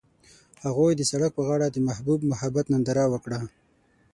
هغوی د سړک پر غاړه د محبوب محبت ننداره وکړه.